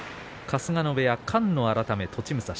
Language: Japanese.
春日野部屋、菅野改め栃武蔵。